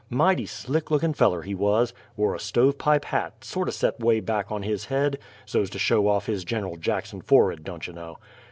Mighty slick lookin' feller he wuz; wore a stovepipe hat, sorto' set 'way back on his head so's to show off his Giner'l Jackson forr'ed, don't you know!